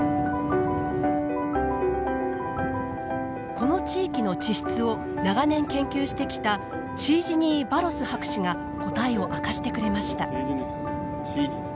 この地域の地質を長年研究してきたシージニー・バロス博士が答えを明かしてくれました。